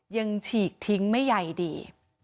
ฉีกทิ้งไม่ใหญ่ดี